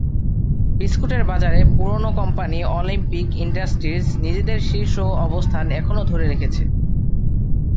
বিস্কুটের বাজারে পুরোনো কোম্পানি অলিম্পিক ইন্ডাস্ট্রিজ নিজেদের শীর্ষ অবস্থান এখনো ধরে রেখেছে।